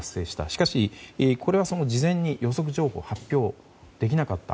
しかし、これは事前に予測情報を発表できなかった。